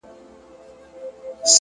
سحر تسبې ماښـــــــام کاڅې اخلمه